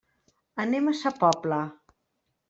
Anem a sa Pobla.